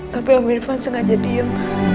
tapi om irfan sengaja diem